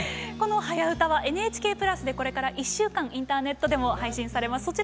この「はやウタ」はＮＨＫ＋でこれから１週間インターネットでも配信されます。